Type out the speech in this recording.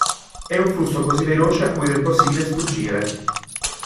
È un flusso così veloce a cui è impossibile sfuggire.